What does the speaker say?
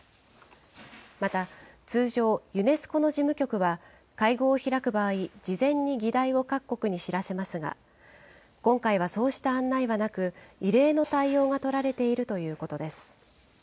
また通常、ユネスコの事務局は、会合を開く場合、事前に議題を各国に知らせますが、今回はそうした案内はなく、異例の対応が取られているということです。